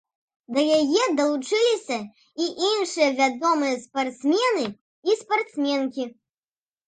Да яе далучыліся і іншыя вядомыя спартсмены і спартсменкі.